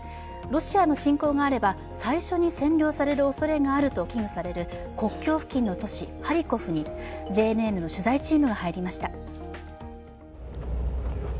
ロシアの進攻があれば最初に占領されるおそれがあると危惧される国境付近の都市・ハリコフにＪＮＮの取材チームが入りました。